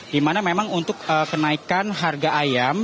dimana memang untuk kenaikan harga ayam